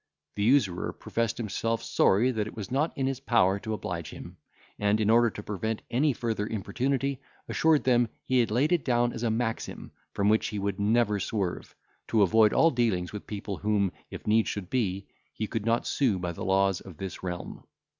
The usurer professed himself sorry that it was not in his power to oblige him; and, in order to prevent any further importunity, assured them, he had laid it down as a maxim, from which he would never swerve, to avoid all dealings with people whom, if need should be, he could not sue by the laws of this realm.